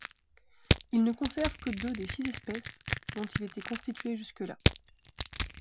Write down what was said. Il ne conserve que deux des six espèces dont il était constitué jusque-là.